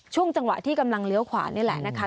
ช่วงจังหวะที่กำลังเลี้ยวขวานี่แหละนะคะ